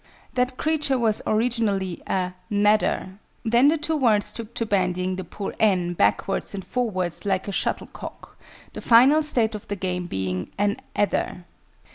That creature was originally "a nadder": then the two words took to bandying the poor "n" backwards and forwards like a shuttlecock, the final state of the game being "an adder."